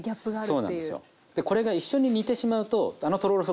そうなんです。